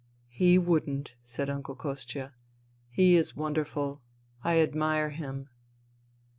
'' He wouldn't," said Uncle Kostia. He is wonderful. I admire him."